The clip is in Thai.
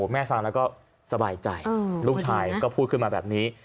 ฟังแล้วก็สบายใจลูกชายก็พูดขึ้นมาแบบนี้